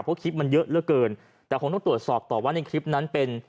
เพราะคลิปมันเยอะเหลือเกินแต่คงต้องตรวจสอบต่อว่าในคลิปนั้นเป็น